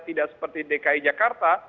tidak seperti dki jakarta